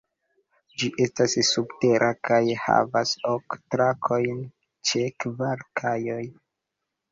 Ĝi estas subtera kaj havas ok trakojn ĉe kvar kajoj.